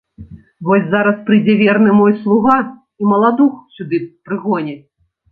Вось зараз прыйдзе верны мой слуга, і маладух сюды прыгоняць.